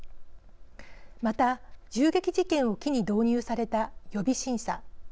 また、銃撃事件を機に導入された予備審査。